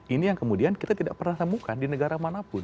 ini yang kemudian kita tidak pernah temukan di negara manapun